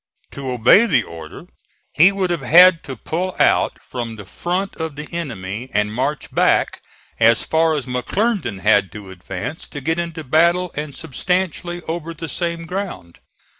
To obey the order he would have had to pull out from the front of the enemy and march back as far as McClernand had to advance to get into battle and substantially over the same ground.